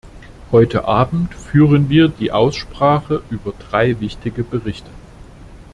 Heute Abend führen wir die Aussprache über drei wichtige Berichte.